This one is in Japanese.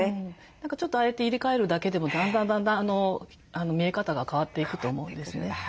何かちょっとああやって入れ替えるだけでもだんだんだんだん見え方が変わっていくと思うんですね。